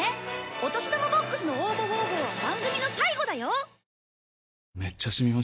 お年玉ＢＯＸの応募方法は番組の最後だよ。